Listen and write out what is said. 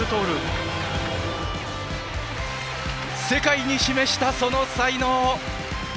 世界に示した、その才能！